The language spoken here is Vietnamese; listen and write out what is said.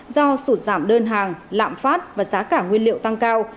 do sụt giảm đơn hàng lạm phát và giá cả nguyên liệu tăng cao